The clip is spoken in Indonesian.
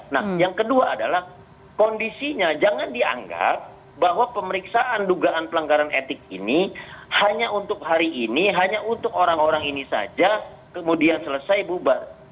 nah yang kedua adalah kondisinya jangan dianggap bahwa pemeriksaan dugaan pelanggaran etik ini hanya untuk hari ini hanya untuk orang orang ini saja kemudian selesai bubar